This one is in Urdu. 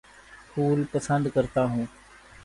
پھول پسند کرتا ہوں